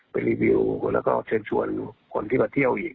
รีวิวแล้วก็เชิญชวนคนที่มาเที่ยวอีก